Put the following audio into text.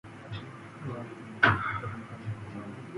Curved fork blades can also provide some shock absorption.